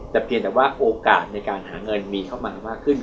แต่เพียงแต่ว่าโอกาสในการหาเงินมีเข้ามามากขึ้น